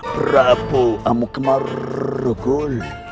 berapu amuk marugul